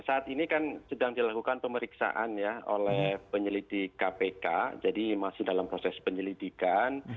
saat ini kan sedang dilakukan pemeriksaan ya oleh penyelidik kpk jadi masih dalam proses penyelidikan